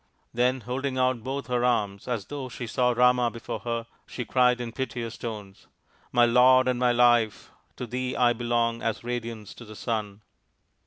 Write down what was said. Then, holding out both her arms as though she saw Rama before her, she cried in piteous tones *" My lord and my life ! To thee I belong as radiance to the sun."